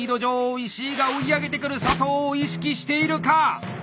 石井が追い上げてくる佐藤を意識しているか！